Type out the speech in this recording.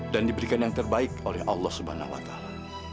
dan diberikan yang terbaik oleh allah subhanahu wa ta'ala